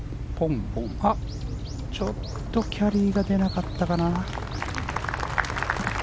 ちょっとキャリーが出なかったかな。